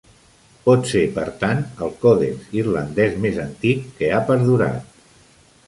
Pot ser, per tant, el còdex irlandès més antic que ha perdurat.